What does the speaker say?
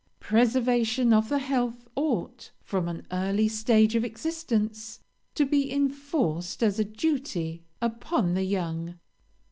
"Preservation of the health ought, from an early stage of existence, to be enforced as a duty upon the young.